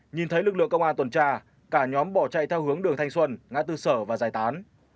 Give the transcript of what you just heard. nhìn thấy lực lượng công an tuần tra cả nhóm bỏ chạy theo hướng đường thanh xuân ngã tư sở và giải tán